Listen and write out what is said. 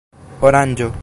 oranĝo